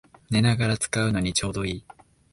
寝ながら使うのにちょうどいい